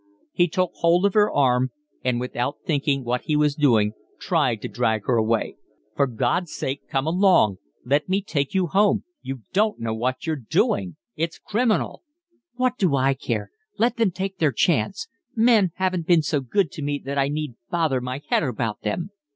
He took hold of her arm and without thinking what he was doing tried to drag her away. "For God's sake come along. Let me take you home. You don't know what you're doing. It's criminal." "What do I care? Let them take their chance. Men haven't been so good to me that I need bother my head about them."